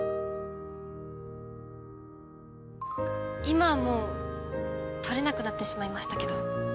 今はもう撮れなくなってしまいましたけど。